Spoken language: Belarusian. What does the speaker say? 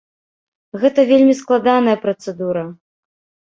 Гэта вельмі складаная працэдура.